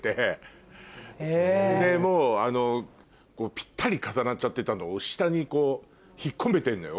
ぴったり重なっちゃってたのを下に引っ込めてんのよ